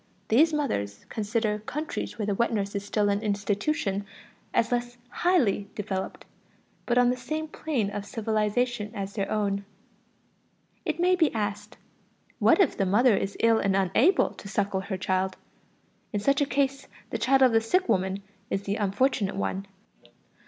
These mothers consider countries where the wet nurse is still an institution as less highly developed, but on the same plane of civilization as their own. It may be asked: what if the mother is ill and unable to suckle her child? In such a case the child of the sick woman is the unfortunate one.